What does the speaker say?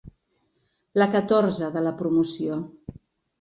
La catorze de la promoció.